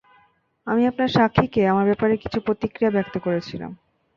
আমি আপনার স্বাক্ষীকে আমার ব্যাপারে কিছু প্রতিক্রিয়া ব্যাক্ত করেছিলাম।